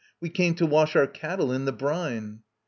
We came to wash our cattle in the brine.